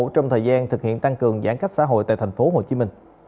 trong thời gian thực hiện tăng cường giãn cách xã hội tại tp hcm